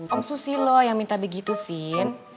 om susilo yang minta begitu scene